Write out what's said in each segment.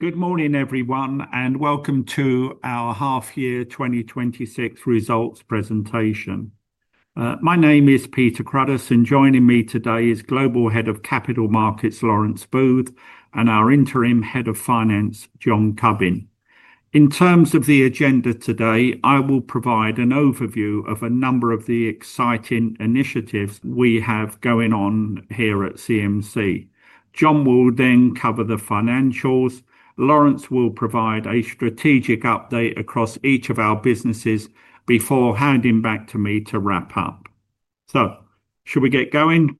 Good morning, everyone, and welcome to our half-year 2026 results presentation. My name is Peter Cruddas, and joining me today is Global Head of Capital Markets, Laurence Booth, and our Interim Head of Finance, John Cubbin. In terms of the agenda today, I will provide an overview of a number of the exciting initiatives we have going on here at CMC. John will then cover the financials. Laurence will provide a strategic update across each of our businesses before handing back to me to wrap up. Shall we get going?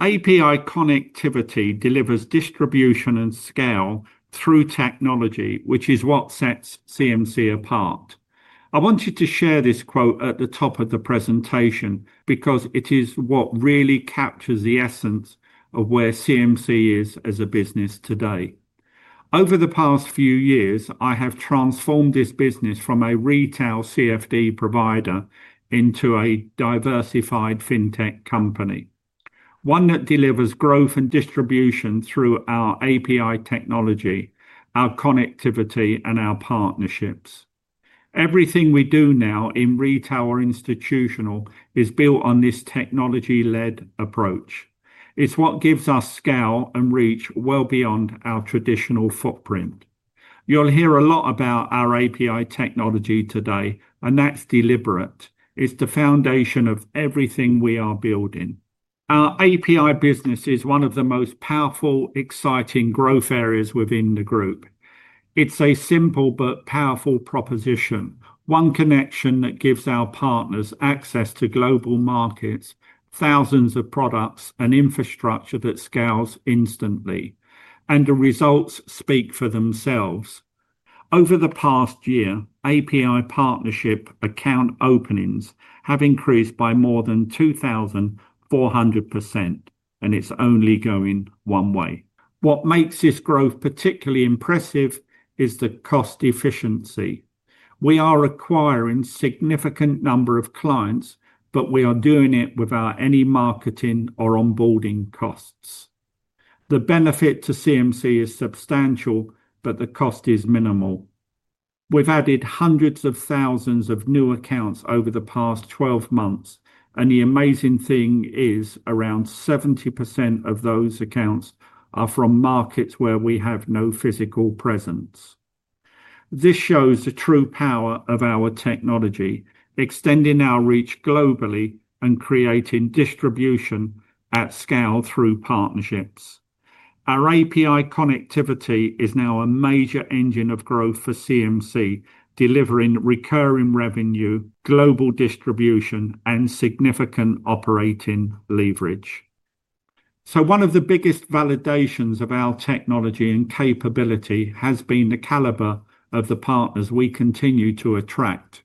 API connectivity delivers distribution and scale through technology, which is what sets CMC apart. I wanted to share this quote at the top of the presentation because it is what really captures the essence of where CMC is as a business today. Over the past few years, I have transformed this business from a retail CFD provider into a diversified fintech company, one that delivers growth and distribution through our API technology, our connectivity, and our partnerships. Everything we do now in retail or institutional is built on this technology-led approach. It is what gives us scale and reach well beyond our traditional footprint. You will hear a lot about our API technology today, and that is deliberate. It is the foundation of everything we are building. Our API business is one of the most powerful, exciting growth areas within the group. It is a simple but powerful proposition, one connection that gives our partners access to global markets, thousands of products, and infrastructure that scales instantly, and the results speak for themselves. Over the past year, API partnership account openings have increased by more than 2,400%, and it is only going one way. What makes this growth particularly impressive is the cost efficiency. We are acquiring a significant number of clients, but we are doing it without any marketing or onboarding costs. The benefit to CMC is substantial, but the cost is minimal. We've added hundreds of thousands of new accounts over the past 12 months, and the amazing thing is around 70% of those accounts are from markets where we have no physical presence. This shows the true power of our technology, extending our reach globally and creating distribution at scale through partnerships. Our API connectivity is now a major engine of growth for CMC, delivering recurring revenue, global distribution, and significant operating leverage. One of the biggest validations of our technology and capability has been the caliber of the partners we continue to attract.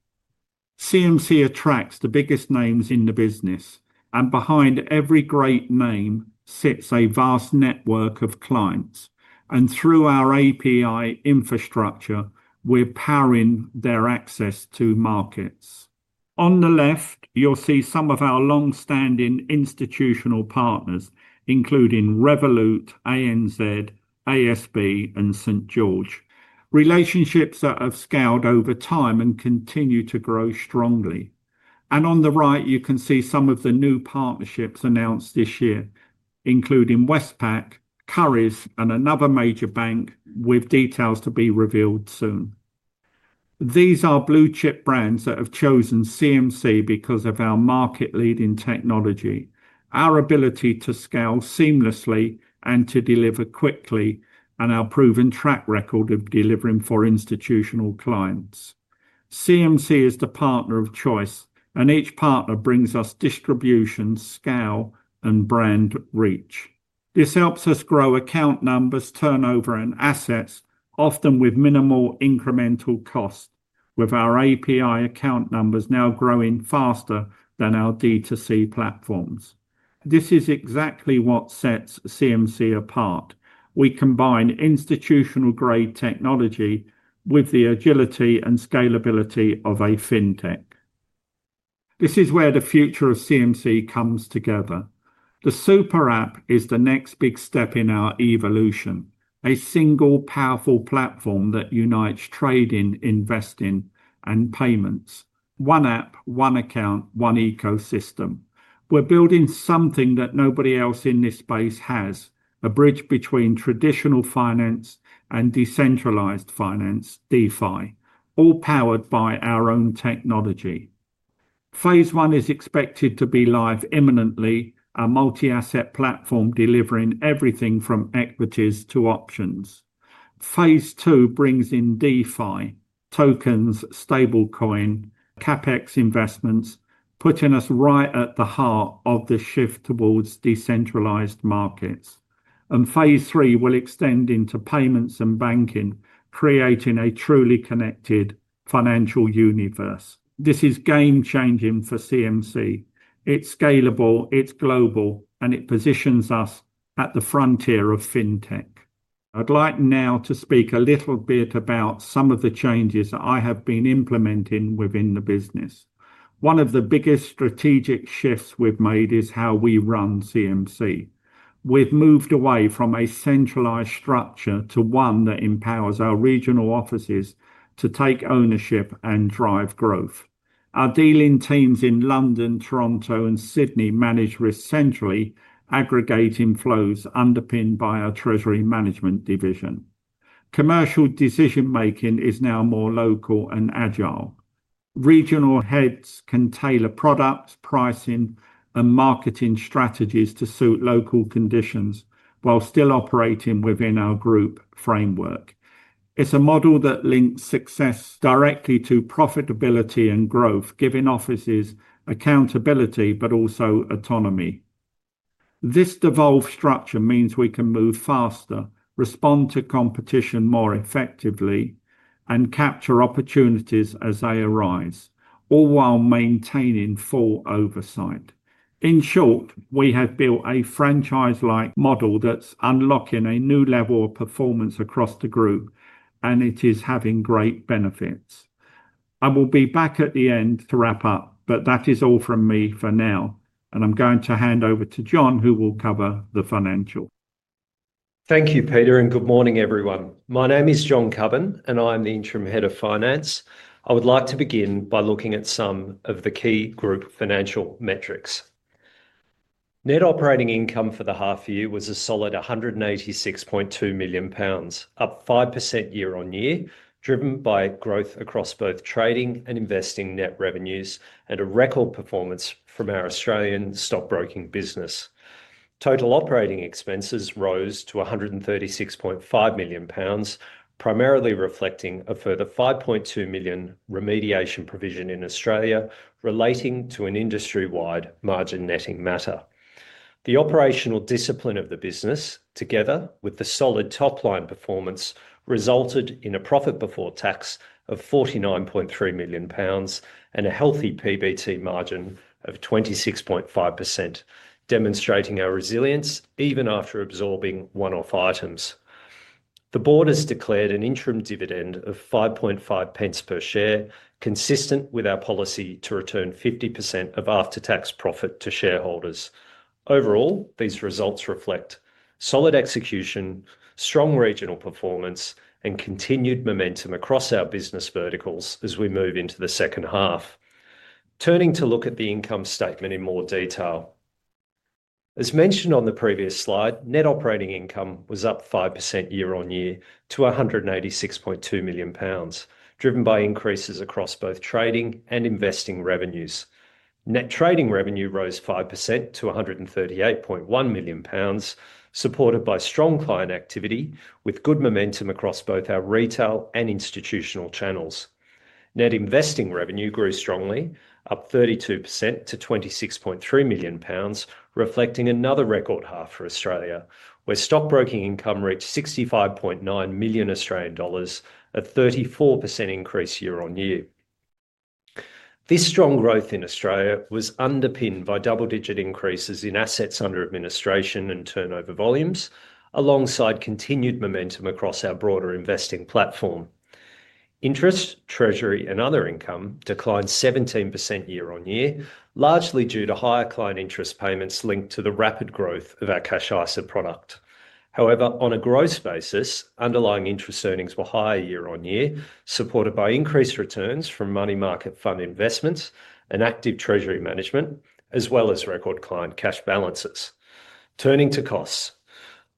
CMC attracts the biggest names in the business, and behind every great name sits a vast network of clients. Through our API infrastructure, we're powering their access to markets. On the left, you'll see some of our long-standing institutional partners, including Revolut, ANZ, ASB, and St. George. Relationships that have scaled over time and continue to grow strongly. On the right, you can see some of the new partnerships announced this year, including Westpac, Currys, and another major bank with details to be revealed soon. These are blue-chip brands that have chosen CMC because of our market-leading technology, our ability to scale seamlessly and to deliver quickly, and our proven track record of delivering for institutional clients. CMC is the partner of choice, and each partner brings us distribution, scale, and brand reach. This helps us grow account numbers, turnover, and assets, often with minimal incremental cost, with our API account numbers now growing faster than our D2C platforms. This is exactly what sets CMC apart. We combine institutional-grade technology with the agility and scalability of a fintech. This is where the future of CMC comes together. The Super App is the next big step in our evolution, a single powerful platform that unites trading, investing, and payments. One app, one account, one ecosystem. We're building something that nobody else in this space has: a bridge between traditional finance and decentralized finance, DeFi, all powered by our own technology. Phase one is expected to be live imminently, a multi-asset platform delivering everything from equities to options. Phase two brings in DeFi, tokens, stablecoin, CapEx investments, putting us right at the heart of the shift towards decentralized markets. Phase three will extend into payments and banking, creating a truly connected financial universe. This is game-changing for CMC. It is scalable, it is global, and it positions us at the frontier of fintech. I would like now to speak a little bit about some of the changes that I have been implementing within the business. One of the biggest strategic shifts we have made is how we run CMC. We have moved away from a centralized structure to one that empowers our regional offices to take ownership and drive growth. Our dealing teams in London, Toronto, and Sydney manage risk centrally, aggregating flows underpinned by our treasury management division. Commercial decision-making is now more local and agile. Regional heads can tailor products, pricing, and marketing strategies to suit local conditions while still operating within our group framework. It's a model that links success directly to profitability and growth, giving offices accountability but also autonomy. This devolved structure means we can move faster, respond to competition more effectively, and capture opportunities as they arise, all while maintaining full oversight. In short, we have built a franchise-like model that's unlocking a new level of performance across the group, and it is having great benefits. I will be back at the end to wrap up, but that is all from me for now, and I'm going to hand over to John, who will cover the financial. Thank you, Peter, and good morning, everyone. My name is John Cubbin, and I'm the Interim Head of Finance. I would like to begin by looking at some of the key group financial metrics. Net operating income for the half-year was a solid 186.2 million pounds, up 5% year on year, driven by growth across both trading and investing net revenues and a record performance from our Australian stock-broking business. Total operating expenses rose to 136.5 million pounds, primarily reflecting a further 5.2 million remediation provision in Australia relating to an industry-wide margin netting matter. The operational discipline of the business, together with the solid top-line performance, resulted in a profit before tax of 49.3 million pounds and a healthy PBT margin of 26.5%, demonstrating our resilience even after absorbing one-off items. The board has declared an interim dividend of 0.055 per share, consistent with our policy to return 50% of after-tax profit to shareholders. Overall, these results reflect solid execution, strong regional performance, and continued momentum across our business verticals as we move into the second half. Turning to look at the income statement in more detail, as mentioned on the previous slide, net operating income was up 5% year on year to 186.2 million pounds, driven by increases across both trading and investing revenues. Net trading revenue rose 5% to 138.1 million pounds, supported by strong client activity with good momentum across both our retail and institutional channels. Net investing revenue grew strongly, up 32% to 26.3 million pounds, reflecting another record half for Australia, where stockbroking income reached 65.9 million Australian dollars, a 34% increase year on year. This strong growth in Australia was underpinned by double-digit increases in assets under administration and turnover volumes, alongside continued momentum across our broader investing platform. Interest, treasury, and other income declined 17% year on year, largely due to higher client interest payments linked to the rapid growth of our Cash ISA product. However, on a gross basis, underlying interest earnings were higher year on year, supported by increased returns from money market fund investments and active treasury management, as well as record client cash balances. Turning to costs,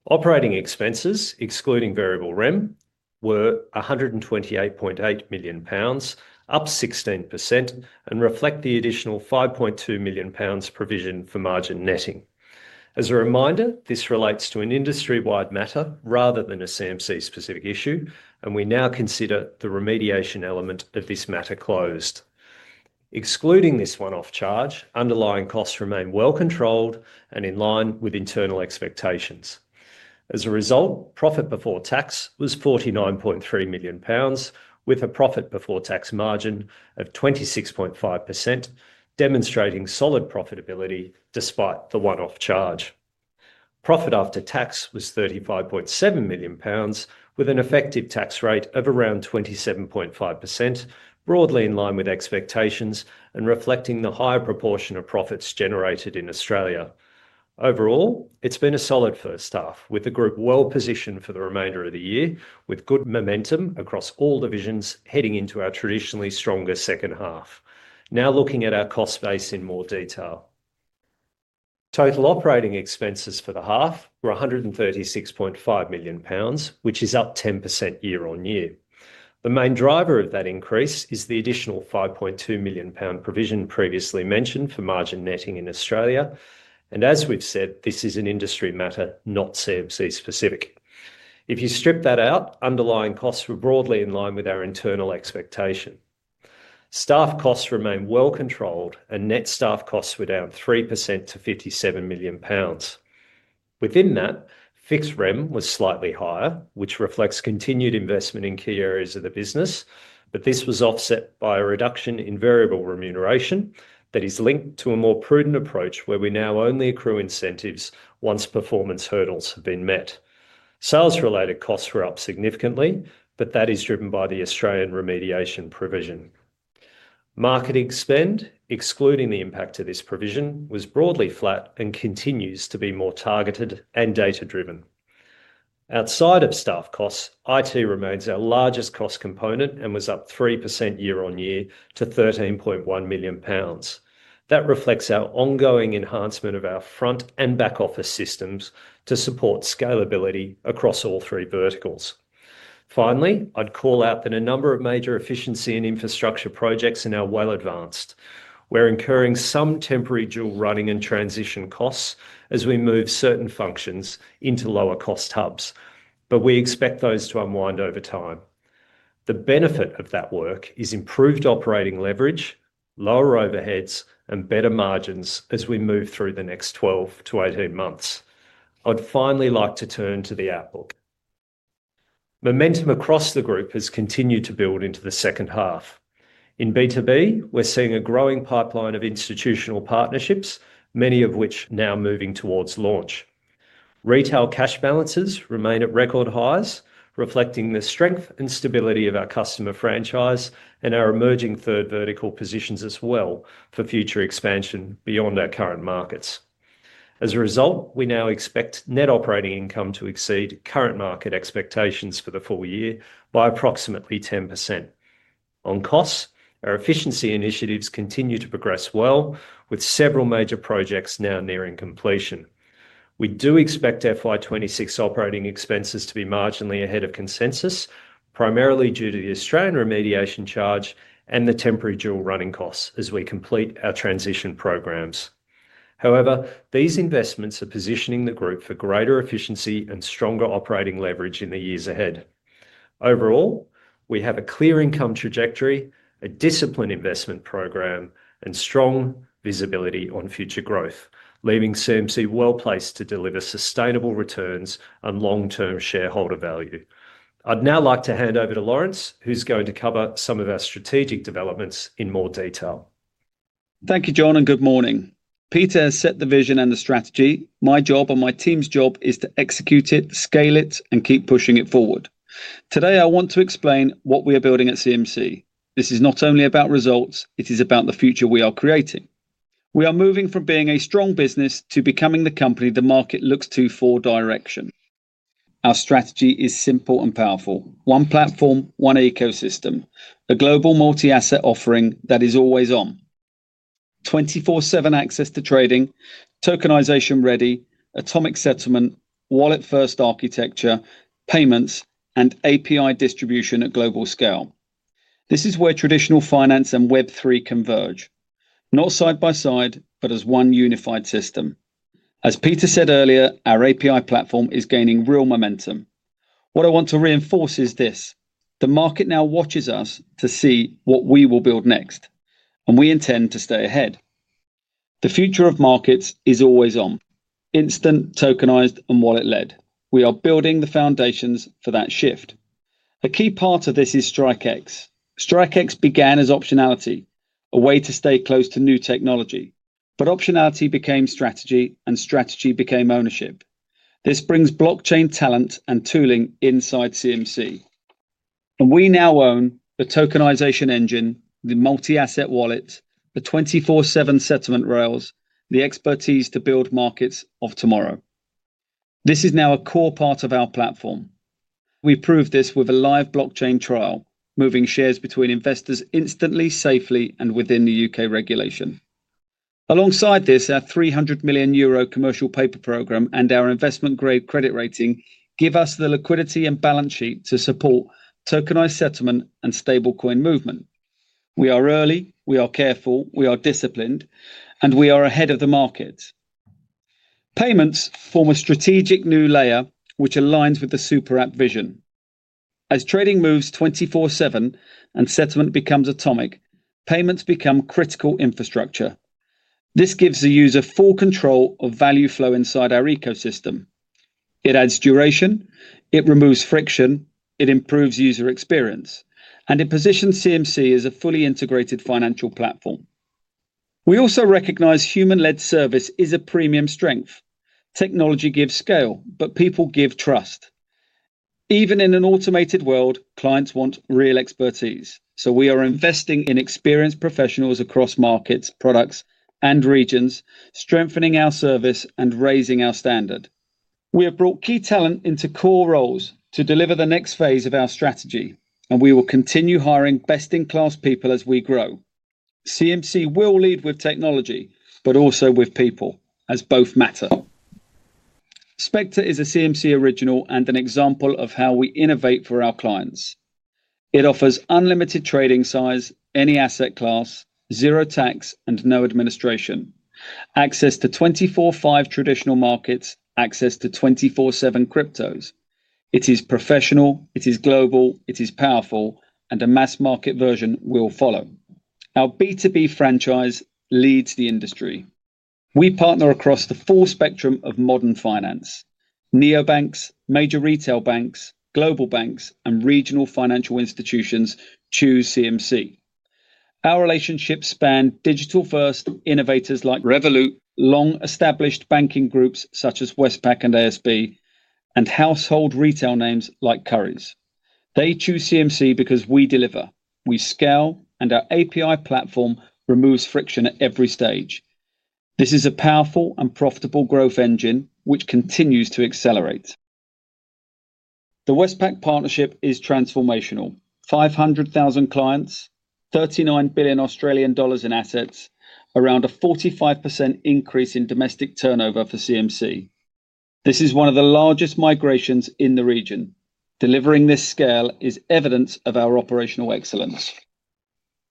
operating expenses, excluding variable rem, were 128.8 million pounds, up 16%, and reflect the additional 5.2 million pounds provision for margin netting. As a reminder, this relates to an industry-wide matter rather than a CMC Markets-specific issue, and we now consider the remediation element of this matter closed. Excluding this one-off charge, underlying costs remain well controlled and in line with internal expectations. As a result, profit before tax was 49.3 million pounds, with a profit before tax margin of 26.5%, demonstrating solid profitability despite the one-off charge. Profit after tax was 35.7 million pounds, with an effective tax rate of around 27.5%, broadly in line with expectations and reflecting the higher proportion of profits generated in Australia. Overall, it's been a solid first half, with the group well positioned for the remainder of the year, with good momentum across all divisions heading into our traditionally stronger second half. Now looking at our cost base in more detail, total operating expenses for the half were 136.5 million pounds, which is up 10% year on year. The main driver of that increase is the additional 5.2 million pound provision previously mentioned for margin netting in Australia. As we've said, this is an industry matter, not CMC specific. If you strip that out, underlying costs were broadly in line with our internal expectation. Staff costs remain well controlled, and net staff costs were down 3% to 57 million pounds. Within that, fixed rem was slightly higher, which reflects continued investment in key areas of the business, but this was offset by a reduction in variable remuneration that is linked to a more prudent approach where we now only accrue incentives once performance hurdles have been met. Sales-related costs were up significantly, but that is driven by the Australian remediation provision. Marketing spend, excluding the impact of this provision, was broadly flat and continues to be more targeted and data-driven. Outside of staff costs, IT remains our largest cost component and was up 3% year on year to 13.1 million pounds. That reflects our ongoing enhancement of our front and back-office systems to support scalability across all three verticals. Finally, I'd call out that a number of major efficiency and infrastructure projects are well advanced. We're incurring some temporary dual running and transition costs as we move certain functions into lower-cost hubs, but we expect those to unwind over time. The benefit of that work is improved operating leverage, lower overheads, and better margins as we move through the next 12-18 months. I'd finally like to turn to the outlook. Momentum across the group has continued to build into the second half. In B2B, we're seeing a growing pipeline of institutional partnerships, many of which are now moving towards launch. Retail cash balances remain at record highs, reflecting the strength and stability of our customer franchise and our emerging third vertical positions as well for future expansion beyond our current markets. As a result, we now expect net operating income to exceed current market expectations for the full year by approximately 10%. On costs, our efficiency initiatives continue to progress well, with several major projects now nearing completion. We do expect FY2026 operating expenses to be marginally ahead of consensus, primarily due to the Australian remediation charge and the temporary dual running costs as we complete our transition programs. However, these investments are positioning the group for greater efficiency and stronger operating leverage in the years ahead. Overall, we have a clear income trajectory, a disciplined investment program, and strong visibility on future growth, leaving CMC well placed to deliver sustainable returns and long-term shareholder value. I'd now like to hand over to Laurence, who's going to cover some of our strategic developments in more detail. Thank you, John, and good morning. Peter has set the vision and the strategy. My job and my team's job is to execute it, scale it, and keep pushing it forward. Today, I want to explain what we are building at CMC. This is not only about results; it is about the future we are creating. We are moving from being a strong business to becoming the company the market looks to for direction. Our strategy is simple and powerful: one platform, one ecosystem, a global multi-asset offering that is always on, 24/7 access to trading, tokenization ready, atomic settlement, wallet-first architecture, payments, and API distribution at global scale. This is where traditional finance and Web3 converge, not side by side, but as one unified system. As Peter said earlier, our API platform is gaining real momentum. What I want to reinforce is this: the market now watches us to see what we will build next, and we intend to stay ahead. The future of markets is always on, instant, tokenized, and wallet-led. We are building the foundations for that shift. A key part of this is StrikeX. StrikeX began as optionality, a way to stay close to new technology, but optionality became strategy, and strategy became ownership. This brings blockchain talent and tooling inside CMC, and we now own the tokenization engine, the multi-asset wallet, the 24/7 settlement rails, the expertise to build markets of tomorrow. This is now a core part of our platform. We proved this with a live blockchain trial, moving shares between investors instantly, safely, and within the U.K. regulation. Alongside this, our 300 million euro commercial paper program and our investment-grade credit rating give us the liquidity and balance sheet to support tokenized settlement and stablecoin movement. We are early, we are careful, we are disciplined, and we are ahead of the market. Payments form a strategic new layer which aligns with the super app vision. As trading moves 24/7 and settlement becomes atomic, payments become critical infrastructure. This gives the user full control of value flow inside our ecosystem. It adds duration, it removes friction, it improves user experience, and it positions CMC Markets as a fully integrated financial platform. We also recognize human-led service is a premium strength. Technology gives scale, but people give trust. Even in an automated world, clients want real expertise, so we are investing in experienced professionals across markets, products, and regions, strengthening our service and raising our standard. We have brought key talent into core roles to deliver the next phase of our strategy, and we will continue hiring best-in-class people as we grow. CMC will lead with technology, but also with people, as both matter. Spectre is a CMC original and an example of how we innovate for our clients. It offers unlimited trading size, any asset class, zero tax, and no administration. Access to 24/5 traditional markets, access to 24/7 cryptos. It is professional, it is global, it is powerful, and a mass market version will follow. Our B2B franchise leads the industry. We partner across the full spectrum of modern finance. Neobanks, major retail banks, global banks, and regional financial institutions choose CMC. Our relationships span digital-first innovators like Revolut, long-established banking groups such as Westpac and ASB, and household retail names like Currys. They choose CMC because we deliver, we scale, and our API platform removes friction at every stage. This is a powerful and profitable growth engine which continues to accelerate. The Westpac partnership is transformational: 500,000 clients, 39 billion Australian dollars in assets, around a 45% increase in domestic turnover for CMC. This is one of the largest migrations in the region. Delivering this scale is evidence of our operational excellence.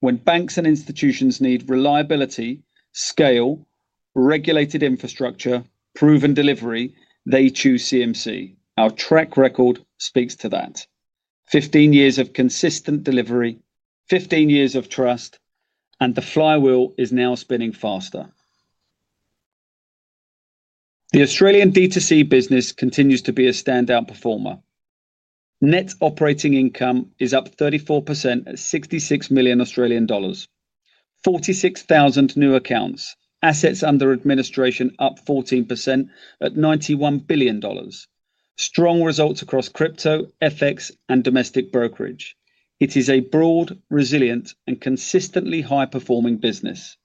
When banks and institutions need reliability, scale, regulated infrastructure, proven delivery, they choose CMC. Our track record speaks to that: 15 years of consistent delivery, 15 years of trust, and the flywheel is now spinning faster. The Australian D2C business continues to be a standout performer. Net operating income is up 34% at 66 million Australian dollars, 46,000 new accounts, assets under administration up 14% at 91 billion dollars. Strong results across crypto, FX, and domestic brokerage. It is a broad, resilient, and consistently high-performing business.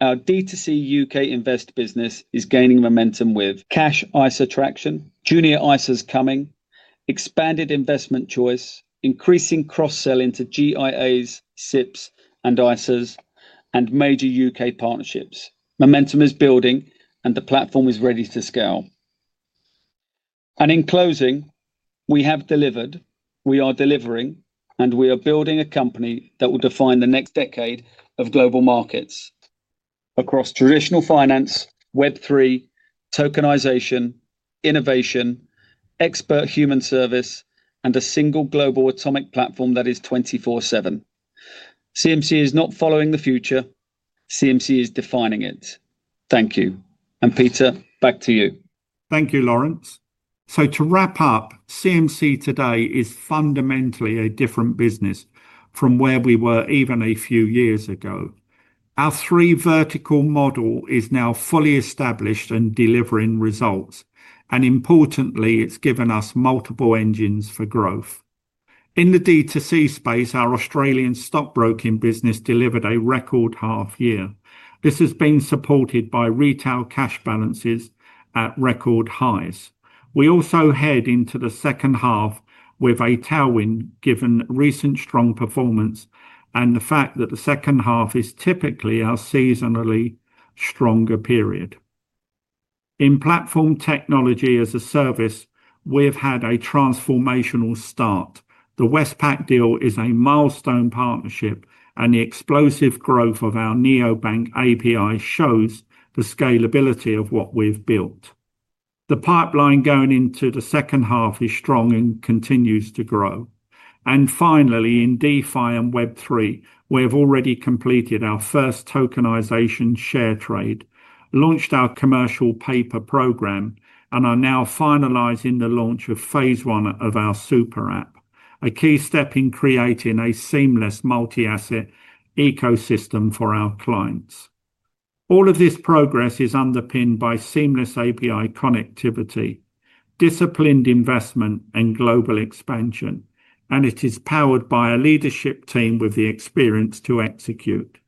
Our D2C U.K. invest business is gaining momentum with Cash ISA traction, Junior ISAs coming, expanded investment choice, increasing cross-sell into GIAs, SIPs, and ISAs, and major U.K. partnerships. Momentum is building, and the platform is ready to scale. In closing, we have delivered, we are delivering, and we are building a company that will define the next decade of global markets across traditional finance, Web3, tokenization, innovation, expert human service, and a single global atomic platform that is 24/7. CMC is not following the future; CMC is defining it. Thank you. Peter, back to you. Thank you, Laurence. To wrap up, CMC today is fundamentally a different business from where we were even a few years ago. Our three-vertical model is now fully established and delivering results, and importantly, it has given us multiple engines for growth. In the D2C space, our Australian stockbroking business delivered a record half-year. This has been supported by retail cash balances at record highs. We also head into the second half with a tailwind given recent strong performance and the fact that the second half is typically our seasonally stronger period. In platform technology as a service, we have had a transformational start. The Westpac deal is a milestone partnership, and the explosive growth of our Neobank API shows the scalability of what we have built. The pipeline going into the second half is strong and continues to grow. Finally, in DeFi and Web3, we have already completed our first tokenization share trade, launched our commercial paper program, and are now finalizing the launch of phase one of our super app, a key step in creating a seamless multi-asset ecosystem for our clients. All of this progress is underpinned by seamless API connectivity, disciplined investment, and global expansion, and it is powered by a leadership team with the experience to execute.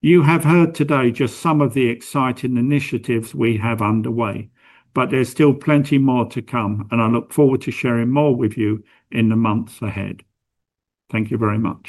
You have heard today just some of the exciting initiatives we have underway, but there is still plenty more to come, and I look forward to sharing more with you in the months ahead. Thank you very much.